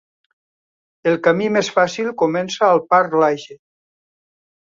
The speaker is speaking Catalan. El camí més fàcil comença al parc Lage.